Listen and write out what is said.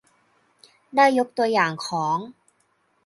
ได้ยกตัวอย่างของ